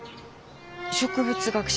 植物学者？